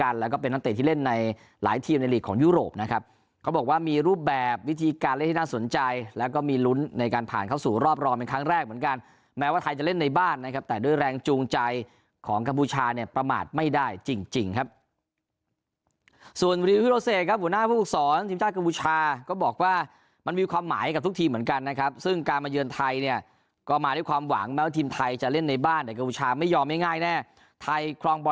แรกเหมือนกันแม้ว่าไทยจะเล่นในบ้านนะครับแต่ด้วยแรงจูงใจของกับบูชาเนี่ยประมาทไม่ได้จริงจริงครับส่วนวิธีโรเศษครับหัวหน้าผู้สอนทีมชาติกับบูชาก็บอกว่ามันมีความหมายกับทุกทีมเหมือนกันนะครับซึ่งการมาเยือนไทยเนี่ยก็มาด้วยความหวังแล้วทีมไทยจะเล่นในบ้านแต่กับบูชาไม่ยอมง่าย